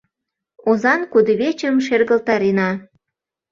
Озан кудывечым шергылтарена.